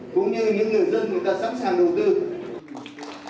chúng ta sẵn sàng đầu tư chúng ta có thể xây dựng một cảnh hóa